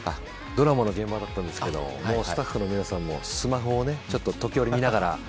ドラマの現場だったんですけどスタッフの皆さんもスマホを時折、見ながら。